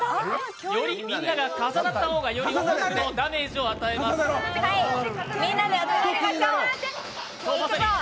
よりみんなが重なった方が、より多くのダメージを与えられます。